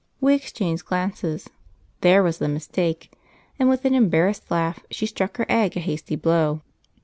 We exchanged glances (there was the mistake!), and with an embarrassed laugh she struck her egg a hasty blow.